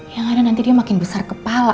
yang ada nanti dia makin besar kepala